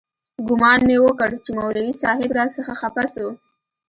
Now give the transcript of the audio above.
ګومان مې وکړ چې مولوي صاحب راڅخه خپه سو.